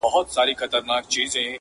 o تنها نوم نه چي خِصلت مي د انسان سي,